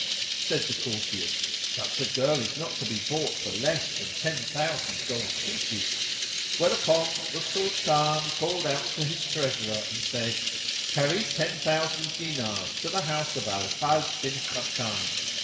Said the courtiers, "Such a girl is not to be bought for less than ten thousand gold pieces:" whereupon the Sultan called out to his treasurer and said, "Carry ten thousand dinars to the house of Al Fazl bin Khákán."